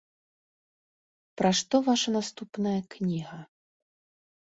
Пра што ваша наступная кніга?